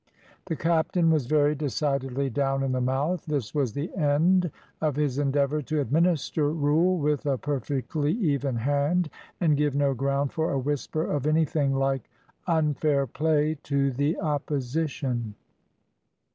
The captain was very decidedly down in the mouth. This was the end of his endeavour to administer rule with a perfectly even hand, and give no ground for a whisper of anything like unfair play to the opposition!